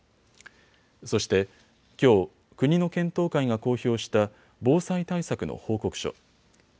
そしてきょう、国の検討会が公表した防災対策の報告書。